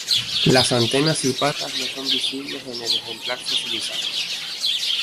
Las antenas y patas no son visibles en el ejemplar fosilizado.